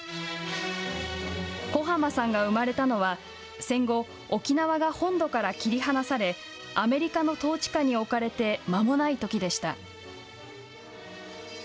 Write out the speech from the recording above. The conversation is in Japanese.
小浜さんが生まれたのは戦後、沖縄が本土から切り離されアメリカの統治下に置かれてまもないときでした。